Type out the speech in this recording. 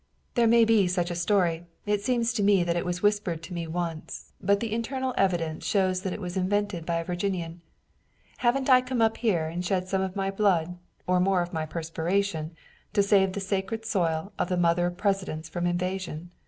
"There may be such a story. It seems to me that it was whispered to me once, but the internal evidence shows that it was invented by a Virginian. Haven't I come up here and shed some of my blood and more of my perspiration to save the sacred soil of the Mother of Presidents from invasion?